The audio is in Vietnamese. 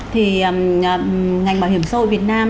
thì ngành bảo hiểm xã hội việt nam